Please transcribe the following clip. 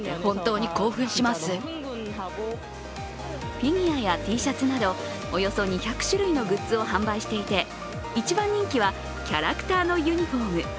フィギュアやＴシャツなどおよそ２００種類のグッズを販売していて一番人気はキャラクターのユニフォーム。